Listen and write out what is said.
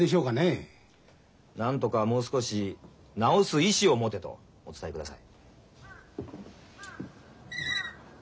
何とかもう少し治す意志を持てとお伝えください。